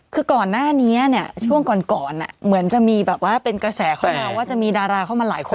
คือก่อนหน้านี้เนี่ยช่วงก่อนเหมือนจะมีแบบว่าเป็นกระแสเข้ามาว่าจะมีดาราเข้ามาหลายคน